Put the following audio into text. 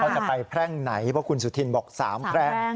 จะไปแพร่งไหนเพราะคุณสุธินบอก๓แพร่ง